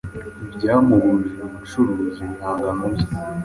ntibyamubujije gucuruza ibihangano bye